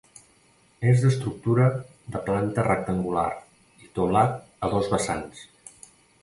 És d'estructura de planta rectangular i teulat a dos vessants.